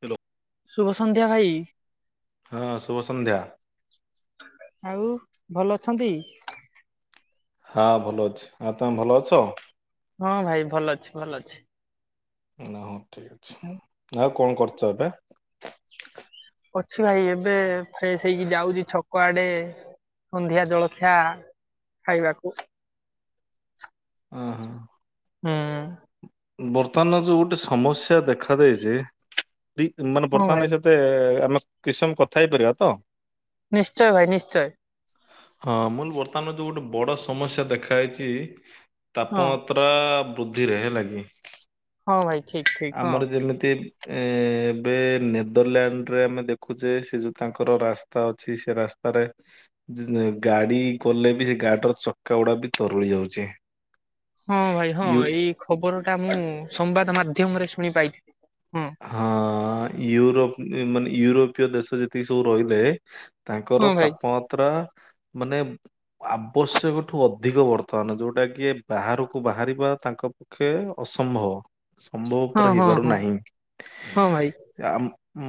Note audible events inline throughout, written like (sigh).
Hello ଶୁଭ ସନ୍ଧ୍ୟା ଭାଇ। ହଁ ଶୁଭ ସନ୍ଧ୍ୟା। ଆଉ ଭଲ ଅଛନ୍ତି? ହଁ ଭଲ ଅଛି ହଁ ତମେ ଭଲ ଅଛ? ହଁ ଭାଇ ଭଲ ଅଛି ଭଲ ଅଛି। ହଁ ଠିକ ଅଛି ଆଉ କଣ କରୁଛ ଏବେ? ଅଛି ଭାଇ ଏବେ ଫ୍ରେଶ ହେଇକି ଯାଉଛି ଛକ ଆଡେ ସନ୍ଧ୍ୟିଆ ଜଳଖିଆ ଖାଇବାକୁ। ଓଁହ। ହଁ ବର୍ତ୍ତମାନ ଯୋଉ ଗୋଟେ ସମସ୍ୟା ଦେଖାଦେଇଛି ମାନେ ହଁ ଭାଇ ବର୍ତ୍ତମାନ ଏ ମତେ ଆମେ କିଛି ସମୟ କଥା ହେଇପାରିବା ତ? ନିଶ୍ଚୟ ଭାଇ ନିଶ୍ଚୟ। ହଁ ମୁଲ ବର୍ତ୍ତମାନ ଯୋଉ ଗୋଟେ ବଡ ସମସ୍ୟା ଦେଖା ଯାଇଛି ହଁ ତାପ ମାତ୍ର ପୁରା ବୃଦ୍ଧିରେ ହେଁଲାଗେ କି ହଉ ଭାଇ ଠିକ ଠିକ୍। ଆମର ଯେମିତି ଏ ଏବେ ନେଦରଲ୍ୟାଣ୍ଡ ରେ ଆମେ ଦେଖୁଛେ ସେ ଯୋଉ ତାଙ୍କର ରାସ୍ତା ଅଛି ସେ ରାସ୍ତାରେ ଗାଡି ଗଲେ ବି ସେ ଗାଡିର ଚକା ଗୁଡା ବି ତରୁଳି ଯାଉଛି ହଁ ଭାଇ ହଁ ୟୁ ଏଇ ଖବର ଟା ମୁଁ ସମ୍ବାଦ ମାଧ୍ୟମରେ ଶୁଣି ପାଇଥିଲି ହଁ। ହଁ ୟୁରୋପ ମାନେ ୟୁରୋପୀୟ ଦେଶ ଯେତିକି ସବୁ ରହିଲେ ହଁ ତାଙ୍କର ଭାଇ ତାପମାତ୍ରା ମାନେ ଆବଶ୍ୟକ ଠୁ ଅଧିକ ବର୍ତ୍ତମାନ ଯୋଉଟା କି ବାହାରକୁ ବାହାରିବା ତାଙ୍କ ଖେ ଅସମ୍ଭବ ସମ୍ଭବ ହଁ ପରେ ହଁ ହେଇପାରୁ ହଁ ନାହିଁ। ହଁ ଭାଇ। ସେ ଆମ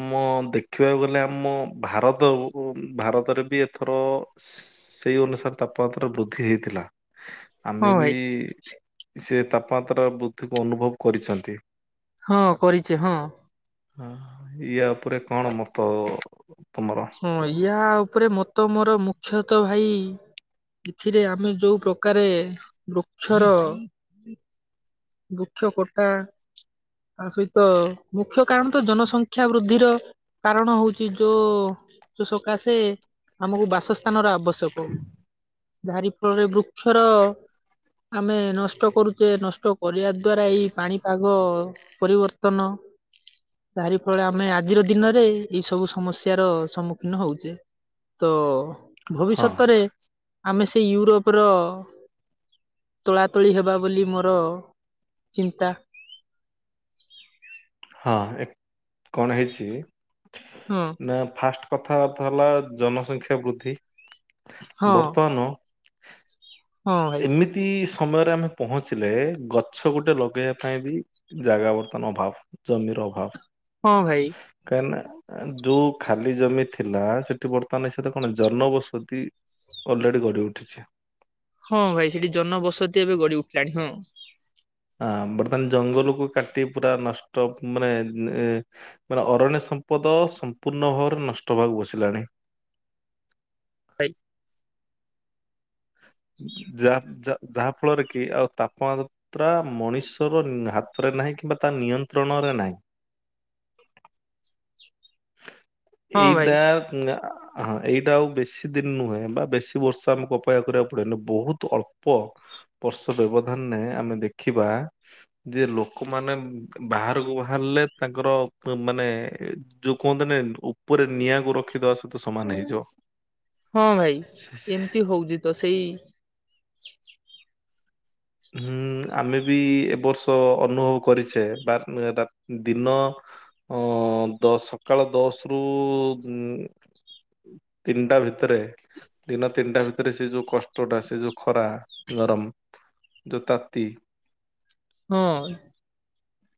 ମୁ ଦେଖିବାକୁ ଗଲେ ଆମ ଭାରତ ଭାରତରେ ବି ଏଥର ସେଇ ଅନୁସାରେ ତାପମାତ୍ରା ବୃଦ୍ଧି ହେଇଥିଲା ହଁ ଆମେ ବି ଭାଇ ସେଇ ତାପମାତ୍ରା ବୁଦ୍ଧିକୁ ଅନୁଭବ କରିଛନ୍ତି ହଁ କରିଛେ ହଁ। ହଁ ୟା ଉପରେ କଣ ମତ ତମର? ହଁ ୟା ଉପରେ ମତ ମୋର ମୁଖ୍ୟତଃ ଭାଇ ଏଥିରେ ଆମେ ଯୋଉ ପ୍ରକାରେ ବୃକ୍ଷର ବୃକ୍ଷ କୋଟା ତା ସହିତ ମୁଖ୍ୟ କାରଣ ତ ଜନସଂଖ୍ୟା ବୃଦ୍ଧିର କାରଣ ହଉଛି ଯୋ ସେ ସକାଶେ ଆମକୁ ବାସସ୍ଥାନ ର ଆବଶ୍ୟକ ହଉଛି କାହାରି ଫଳରେ ବୃକ୍ଷର ଆମେ ନଷ୍ଟ କରୁଛେ ନଷ୍ଟ କରିବା ଦ୍ଵାରା ଏଇ ପାଣିପାଗ ପରିବର୍ତ୍ତନ ତାରି ଫଳରେ ଆମେ ଆଜିର ଦିନରେ ଏଇ ସବୁ ସମସ୍ୟାର ସମ୍ମୁଖୀନ ହଉଛେ ତ ହଁ ଭବିଷ୍ୟତରେ ଆମେ ସେ ୟୁରୋପର ତୋଳା ତୋଳି ହେବା ବୋଲି ମୋର ଚିନ୍ତା ହଁ କଣ ହେଇଛି? ହଁ। ନା ଫାଷ୍ଟ କଥା ତ ହେଲା ଜନସଂଖ୍ୟା ବୃଦ୍ଧି ହଁ ବର୍ତ୍ତମାନ। ହଁ ଭାଇ ଏମିତି ପ୍ରତି ସମୟରେ ଆମେ ପହଞ୍ଚିଲେ ଗଛ ଗୋଟେ ଲଗେଇବା ପାଇଁ ବି ଜାଗା ବର୍ତ୍ତନ ଅଭାବ। ଜମିର ଅଭାବ। ହଁ ଭାଇ। (unintelligible) ଯୋଉ ଖାଲି ଜମି ଥିଲା ସେଠି ବର୍ତ୍ତମାନ ଏ ସତ କଣ ଜନବସତି। ଅଲରେଡି ଗଢି ଉଠିଛି। ହଁ ଭାଇ ସେଠି ଜନବସତି ଏବେ ଗଡି ଉଠିଲାଣି ହଁ। ହଁ ବର୍ତ୍ତମାନ ଜଙ୍ଗଲକୁୁ କାଟି ପୁରା ନଷ୍ଟ ମାନେ ମାନେ ଅରଣ୍ୟ ସମ୍ପଦ ସମ୍ପୂର୍ଣ୍ଣ ଭାବରେ ନଷ୍ଟ ହେବାକୁ ବସିଲାଣି। ଭା (unintelligible) ଯା ଯାହା ଫଳରେ କି ଆଉ ତାପମା୍ ୍ରା ମଣିଷର ହାତରେ ନାହିଁ କିମ୍ବା ତା ନିୟନ୍ତ୍ରଣରେ ନାହିଁ। ହଁ ଭାଇ ଏଇଟା ହଁ ଏଇଟା ଆଉ ବେଶୀ ଦିନ ନୁହେଁ ବା ବେଶୀ ବର୍ଷ ଆମକୁ ଅପେକ୍ଷା କରିବାକୁ ପଡ଼େନା ବହୁତ ଅଳ୍ପ। ବର୍ଷ ବ୍ୟବଧାନରେ ଆମେ ଦେଖିବା। ଯେ ଲୋକମାନେ ବାହାରକୁ ବାହାରିଲେ ତାଙ୍କର ମାନେ ଯୋଉ କୁହନ୍ତି ନାଈ ଉପରେ ନିଆଁକୁ ରଖିଦେବା ସହିତ ସମାନ ହେଇଯିବ। ହଁ ଭାଇ ଏମିତି ହଉଛି ତ ସେଇ ହୁଁ ଆମେ ବି ଏ ବର୍ଷ ଅନୁଭବ କରିଛେ ବା ରାତି ଦିନ ହଁ ଦସ୍ ସକାଳ ଦଶରୁ ତିନିଟା ଭିତରେ ଦିନ ତିନିଟା ଭିତରେ ସେ ଯୋଉ କଷ୍ଟଟା ସେ ଯୋଉ ଖରା ଗରମ ଯୋ ତାତି ହଁ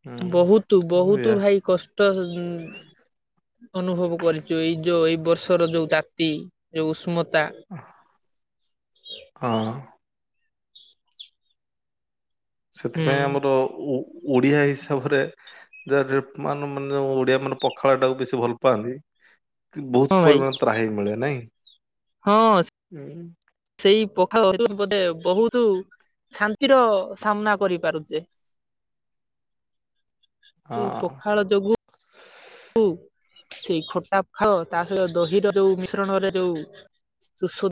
ହୁଁ। ବହୁତ ହଁ ବହୁତ ଏଇଆ ଭାଇ କଷ୍ଟ। ହ। (inaudible) ଅନୁଭବ କରିଛୁ ଏଇ ଯୋଉ ଏଇ ବର୍ଷର ଯୋଉ ତାତି ଯୋଉ ଉଷ୍ମତା। ହଁ। ହୁଁ ସେଥିପାଇଁ ଆମର ଓଡ଼ିଆ ହିସାବରେ ଯାହା ମାନେ ଓଡ଼ିଆ ମାନେ ପଖାଳଟାକୁ ବେଶୀ ଭଲ ପାଆନ୍ତି। ହଁ ବହୁତ ଭାଇ ପରିମାଣ ତ୍ରାହି ମିଳେ ନାଇଁ। ହଁ। ହୁଁ। (inaudible) ସେଇ ପୋଖାଳ ଭାତ ବୋଧେ ବହୁତ ଶାନ୍ତିର ସାମ୍ନା କରିପାରୁଛେ। ହଁ ସେଇ ପଖାଳ ଯୋଗୁ ସେଇ ଖଟା ଖାଅ ତା ସହିତ ଦହିର ଯୋଉ ମିଶ୍ରଣରେ ଯୋଉ ସୁ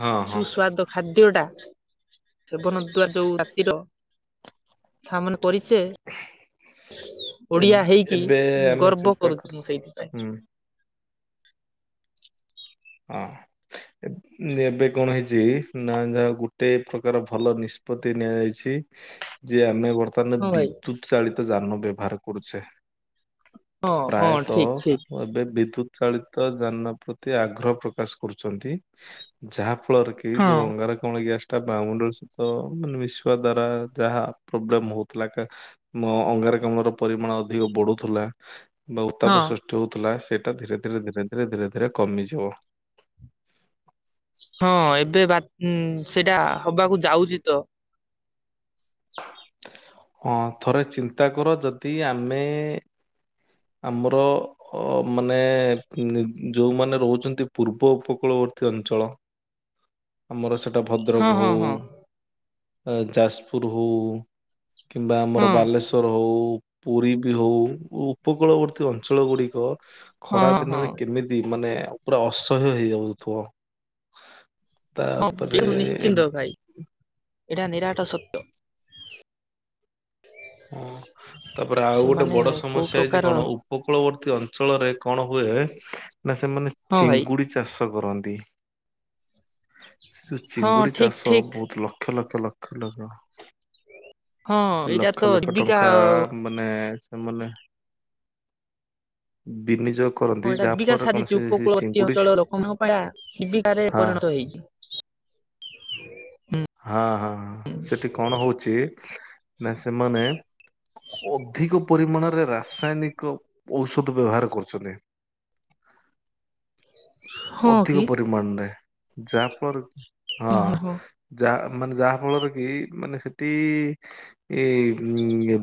ହଁ ହଁ। ସୁସ୍ୱାଦ ଖାଦ୍ୟଟା ସେବନ ଦୁଆର ଯୋଉ ରାତିର ସାମନ କରିଛେ ଓଡ଼ିଆ ଏବ୍ ହେଇକି ଏବେ ଆମେ ଗର୍ବ ଚିନ୍ତା କରୁଛି ମୁଁ କରୁଛୁ ସେଇଥିପାଇଁ। ହୁଁ ହଁ। ଏବେ କଣ ହେଇଛି ନା ଯାହା ଗୋଟେ ପ୍ରକାର ଭଲ ନିଷ୍ପତି ନିଆଯାଇଛି। ଯେ ଆମେ ବର୍ତ୍ତମାନ ହଁ ଭାଇ ବିଦ୍ୟୁତ୍ ଚାଳିତ ଯାନ ବ୍ୟବହାର କରୁଛେ। ହଁ ହଁ ଠିକ ଠିକ ପ୍ରାୟତଃ ଏବେ ବିଦ୍ୟୁତ୍ ଚାଳିତ ଯାନ ପ୍ରତି ଆଗ୍ରହ ପ୍ରକାଶ କରୁଛନ୍ତି ଯାହାଫଳରେ କି ଏଇ ହଁ ଯୋ ଅଙ୍ଗାରକାମ୍ଲ ଗ୍ୟାସ୍ ବାୟମଣ୍ଡଳ ସହିତ ମିଶିବା ଦ୍ଵାରା ଯାହା ପ୍ରୋବ୍ଲେମ୍ ହଉଥିଲାକା। ମୋ ଅଙ୍ଗାରକାମ୍ଲର ପରିମାଣ ଅଧିକ ବଢ଼ୁଥିଲା। ବା ହଁ ଉତ୍ତାପ ସୃଷ୍ଟି ହଉଥିଲା ସେଇଟା ଧୀରେ ଧୀରେ ଧୀରେ ଧୀରେ ଧୀରେ ଧୀରେ କମିଯିବ। ହଁ ଏବେ ବା ସେଇଟା ହବାକୁ ଯାଉଛି ତ। ହ। (inaudible) ହଁ ଥରେ ଚିନ୍ତା କର ଯଦି ଆମେ ଆମର ଅ ମାନେ ଯୋଉମାନେ ରହୁଛନ୍ତି ପୂର୍ବ ଉପକୂଳବର୍ତ୍ତୀ ଅଞ୍ଚଳ ଆ (inaudible) ଆମର ସେଟା ଭଦ୍ରକ ହଉ, ଯାଜପୁର ହଉ କିମ୍ବା ଆମର ହଁ ବାଲେଶ୍ୱର ହଉ ପୁରୀ ବି ହଉ ଉପକୂଳବର୍ତ୍ତୀ ଅଞ୍ଚଳ ଗୁଡ଼ିକ ଖରା ହଁ ଦିନରେ ହଁ କେମିତି ମାନେ ପୁରା ଅସହ୍ୟ ହେଇଯାଉଥିବ। ହଁ ତାପରେ ବ ନିଶ୍ଚିନ୍ତ ଏବ୍- ଭାଇ ଏଇଟା ନିରାଟ ସତ୍ୟ। ହଁ ତାପରେ ଆଉ ଗୋଟେ ସେମାନେ ବଡ କୋଉ ସମସ୍ୟା ହେଇଛି ପ୍ରକାର କଣ? ଉପକୂଳବର୍ତ୍ତୀ ଅଞ୍ଚଳରେ କଣ ହୁଏ ନା ସେମାନେ ହଁ ଭାଇ ଚିଙ୍ଗୁଡି ଚାଷ କରନ୍ତି। ସେ ଯୋଉ ହଁ ଚିଙ୍ଗୁଡି ଠିକ ଚାଷ ଠିକ ବହୁତ ଲକ୍ଷ ଲକ୍ଷ ଲକ୍ଷ ଲକ୍ଷ ହଁ ଏଇଟା ଲକ୍ଷ ତ ଲକ୍ଷ ଜୀବିକା ଟଙ୍କା ମାନେ ସେ ବିନିଯୋଗ କରନ୍ତି ହଁ ଏଇଟା ଯାହା ଜୀବିକା ଫଳରେ କଣ ସାଜିଛି ସେ ଉପକୂଳବର୍ତ୍ତୀ ଚିଙ୍ଗୁଡି ଅଞ୍ଚଳ ଲୋକମାନଙ୍କା ଜୀବିକାରେ ହଁ ପରିଣତ ହେଇଛି। ହଁ ହଁ ସେଠି କଣ ହଉଛି ନା ସେମାନେ ଅଧିକ ପରିମାଣରେ ରାସାୟନିକ ଔଷଧ ବ୍ୟବହାର କରୁଛନ୍ତି। (inaudible) କି ଅଧିକ ପରିମାଣରେ ଯାହାଫଳରେ ହଁ। ଯାହା ମାନେ ଯାହା ଫଳରେ କି ମାନେ ସେଠି ଏଇ ଉ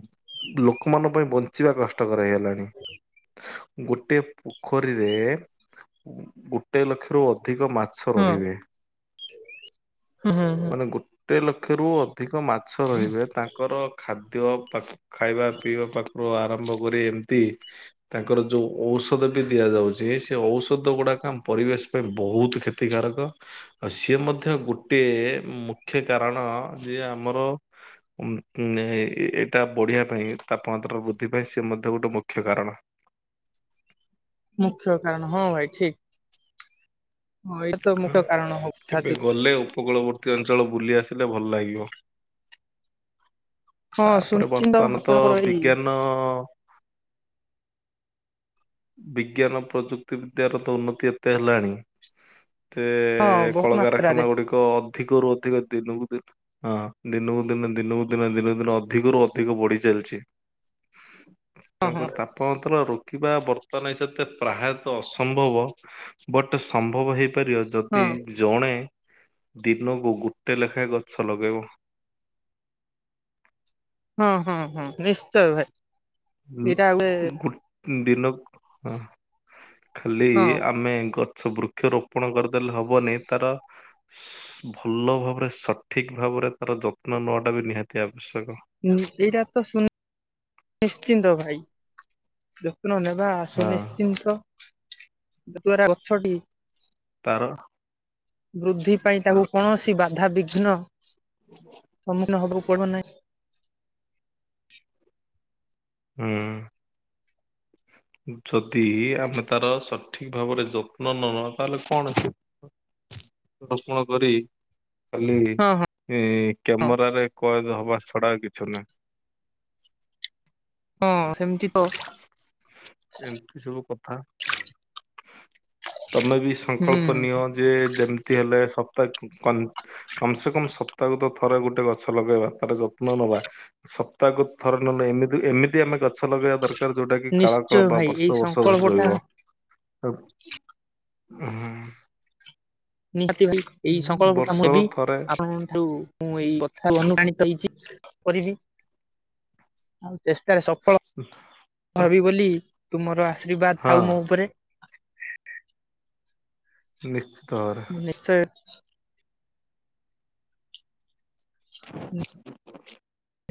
ଲୋକମାନଙ୍କ ପାଇଁ ବଞ୍ଚିବା କଷ୍ଟକର ହେଇଗଲାଣି। ଗୋଟିଏ ପୋଖରୀରେ ଗୋଟଏ ଲକ୍ଷରୁ ଅଧିକ ମାଛ ହଁ ରହିବେ। ହୁଁ ହୁଁ ହୁଁ ମାନେ ଗୋଟେ ଲକ୍ଷରୁୁ ଅଧିକ ମାଛ ରହିବେ ତାଙ୍କର ଖାଦ୍ୟ ପା ଖାଇବା ପିଇବା ପାଖରୁ ଆରମ୍ଭ କରି ଏମିତି ତାଙ୍କର ଯୋଉ ଔଷଧ ବି ଦିଆଯାଉଛି ସେ ଔଷଧ ଗୁଡାକ ଆମ ପରିବେଶ ପାଇଁ ବହୁତ କ୍ଷତିକାରକ ଆଉ ସିଏ ମଧ୍ୟ ଗୋଟେ ମୁଖ୍ୟ କାରଣ ଯେ ଆମର ଏଇଟା ବଢ଼ିବା ପାଇଁ ତାପମାତ୍ରା ବୃଦ୍ଧି ପାଇଁ ସେ ମଧ୍ୟ ଗୋଟେ ମୁଖ୍ୟ କାରଣ। ମୁଖ୍ୟ କାରଣ ହଁ ଭାଇ ଠିକ। ହଁ ଏଇଟା ତ ହଁ ମୁଖ୍ୟ କାରଣ ହଉ କେବେ ସାଜୁଛି। ଗଲେ ଉପକୂଳବର୍ତ୍ତୀ ଅଞ୍ଚଳ ବୁଲି ଆସିଲେ ଭଲ ଲାଗିବ। ହଁ ତାପରେ ସୁନିଶ୍ଚିନ୍ତ ବର୍ତ୍ତମାନ ତ ଆପଣଙ୍କର ଏଇ ବିଜ୍ଞାନ ବିଜ୍ଞାନ ପ୍ରଯୁକ୍ତି ବିଦ୍ୟାର ତ ଉନ୍ନତି ଏତେ ହେଲାଣି। ସେ ହଁ ବହୁତ ମାତ୍ରାରେ କଳକାରଖାନା ଗୁଡିକ ଅଧିକରୁୁ ଅଧିକ ଦିନକୁ ଦିନ ହଁ ଦିନକୁ ଦିନ ଦିନକୁ ଦିନ ଦିନକୁ ଦିନ ଅଧିକରୁ ଅଧିକ ବଢି ଚାଲିଛି। (inaudible) ହଁ ତେଣୁକରି ତାପମାତ୍ର ରୋକିବା ବ ତ ନାହିଁ ସେତେ ପ୍ରାୟତଃ ଅସମ୍ଭବ ବଟ ସମ୍ଭବ ହେଇପାରିବ ଯଦି ହଁ। ଜଣେ ଦିନକୁ ଗୋଟେ ଲେଖାଏଁ ଗଛ ଲଗେଇବ। ହଁ ହଁ ହଁ ନିଶ୍ଚୟ ଭାଇ। ଉଁ ଏଇଟା ଗୋଟେ ଗୋ ଦିନକୁ ଖାଲି ହଁ ଆମେ ଗଛ ବୃକ୍ଷ ରୋପଣ କରିଦେଲେ ହବନି ତାର ଭଲ ଭାବରେ ସଠିକ ଭାବରେ ତାର ଯତ୍ନ ନେବାଟା ବି ନିହାତି ଆବଶ୍ୟକ। ହୁଁ ଏଇଟା ତ ଶୁ ନିଶ୍ଚିନ୍ତ ଭାଇ ଯତ୍ନ ନେବା ଆସୁ ହଁ। ନିଶ୍ଚିନ୍ତ। ଯ ଦ୍ୱାରା ଗଛଟି ତାର ବୃଦ୍ଧି ପାଇଁ ତାକୁ କୌଣସି ବାଧାାବିଘ୍ନ ସମ୍ମୁଖୀନ ହବାକୁ ପଡିବ ନାହିଁ। ହୁଁ। ଯଦି ଆମେ ତାର ସଠିକ ଭାବରେ ଯତ୍ନ ନ ନବା ତାହେଲେ କଣ ଅଛି (inaudible) ରୋପଣ କରି କାଲି ହଁ ହଁ। କ୍ୟାମେରରେ କଏଦ ହବା ଛଡା କିଛି ନୁହେଁ। ହଁ ସେମିତି ତ ଏମିତି ସବୁ କଥା ତମେ ବି ହୁଁ ସଂକଳ୍ପ ନିଅ ଯେ ଯେମିତି ହେଲେ ସପ୍ତାହ କମ ସେ କମ ସପ୍ତାହ ତ ଥରେ ଗୋଟେ ଗଛ ଲଗେଇବା ତାର ଯତ୍ନ ନବା ସପ୍ତାହକୁ ଥରେ ନହଲେ ଏମିତି ଏମିତି ଆମେ ଗଛ ଲଗେଇବା ଦରକାର ଯୋଉଟା କିି କାଳ କାଳ ନିଶ୍ଚୟ ବା ଭାଇ ଏଇ ବର୍ଷ ବର୍ଷ ସଂକଳ୍ପ ଧରି ଟା ରହିବ ହଁ ନିହାତି ଭାଇ ଏଇ ସଂକଳ୍ପଟା ମୁଁ ବର୍ଷର ନେବି ଥରେ ଆପଣଙ୍କଠୁ ମୁଁ ଏଇ କଥା ଅନୁପ୍ରାଣିତ ହେଇଛି କରିବି ଆଉ ଚେଷ୍ଟାରେ ସଫଳ ହେବି ବୋଲି ତୁମର ଆଶୀର୍ବାଦ ଥାଉ ହଁ ମୋ ଉପରେ ନିିଶ୍ଚ ନିଶ୍ଚୟ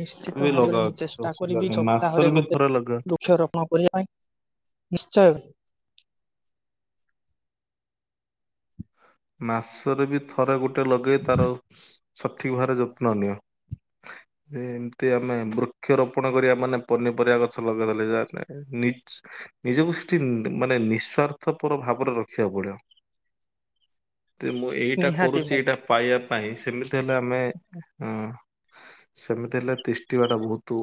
ନିଶ୍ଚିତ ଭାବରେ ଲଗାଅ ମୁଁ କିଛି ଚେଷ୍ଟା ଅସୁବିଧା କରିବି ନାହିଁ ସପ୍ତାହରେ ମାସର ବି ଗୋଟେ ଥରେ ଲଗା ବୃକ୍ଷରୋପଣ କରିବା ପାଇଁ ନିଶ୍ଚୟ ମାସରେ ବି ଥରେ ଗୋଟେ ଲଗେଇ ତାର ସଠିକ୍ ଭାବରେ ଯତ୍ନ ନିଅ। ଯେ ଏମିତି ଆମେ ବୃକ୍ଷରୋପଣ କରିବା ମାନେ ପନିପରିବା ଗଛ ଲଗେଇଦଲେ ଯାହା ନି ନିଜକୁ ସେଠି ମାନେ ନିଃସ୍ଵାର୍ଥପର ଭାବରେ ରଖିବାକୁ ପଡିବ। ଯେ ମୁଁ ଏଇଟା ନିହାତି କରୁଛି ଭାଇ ଏଇଟା ପାଇବା ପାଇଁ ସେମିତି ହେଲେ ଆମେ ସେମିତି ହେଲେ ତିଷ୍ଟିବା ଟା ବହୁତ୍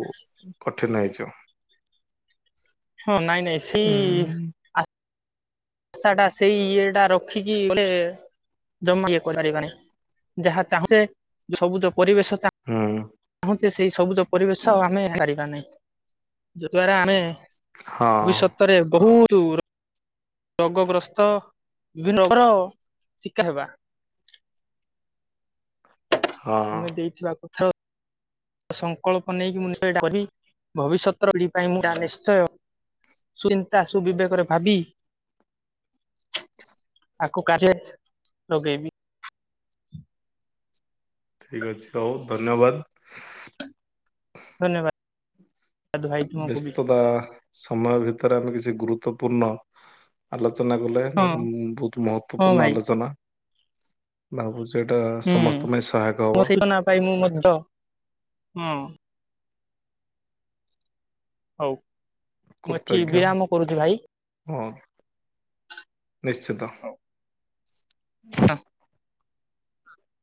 କଠିନ ହେଇଯିବ। ହଁ ନାଇଁ ନାଇଁ ହୁଁ ସେଏ ଆଶା ଟା ସେଇ ଇଏ ଟା ରଖିକି ଶେ ଜମା ଇଏ କରିପାରିବାନି ଯାହା ଚାହୁଁଛ ସବୁଜ ପରିବେଶ ଚାଁ ହୁଁ। ଚାହୁଁଛେ ସେଇ ସବୁଜ ପରିବେଶ ଆମେ ପାରିବା ନାହିଁ ଯ ଦ୍ଵାରା ଆମେ ହଁ ଭବିଷ୍ୟତରେ ବହୁତ୍ ଉର ରୋଗ ଗ୍ରସ୍ତ ବିଭିନ୍ନ ରୋଗର ଶିକାର ହେବା। ହଁ ତୁମେ ଦେଇଥିବା କଥା। ସଂକଳ୍ପ ନେଇକି ମୁଁ କହି (unintelligible) ଭବିଷ୍ୟତର ଏ ପିଢି ପାଇଁ ଏ ନିଶ୍ଚୟ ସୁ ଚିନ୍ତା ସୁବିବେକରେ ଭାବି। ଆକୁ କାଯ୍ୟରେ ଲଗେଇବି ଠିକ୍ ଅଛି ହଉ ଧନ୍ୟବାଦ୍। ଧନ୍ୟବାଦ। ଭାଇ ତୁମକୁ ବି ବ୍ୟସ୍ତତା ସମୟ ଭିତରେ ଆମେ କିଛି ଗୁରୁତ୍ୱପୂର୍ଣ୍ଣ ଆଲୋଚନା କଲେ ହଁ ବହୁତ୍ ହଁ ମହତ୍ତ୍ଵପୂର୍ଣ୍ଣ ଭାଇ ଆଲୋଚନା। ଭାବୁଛି ଏଇଟା ହୁଁ ସମସ୍ତଙ୍କ ପାଇଁ ସହାୟକ ମୋ ହବ। ସେଇ ନା ପାଇଁ ମୁଁ ମଧ୍ୟ ହୁଁ। ହୋଉ। କୁର୍ତ୍ତଜ୍ଞ୍ୟ ହଁ ନିଶ୍ଚିତ। (inaudible)